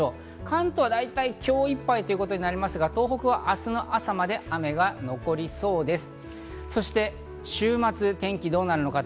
関東は大体今日いっぱいということになりますが、東北は明日の朝まで雨が残りそうです。